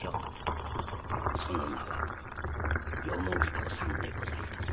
その名は子さんでございます。